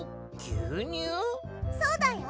そうだよ。